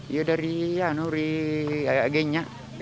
ya dari ya dari ya genyak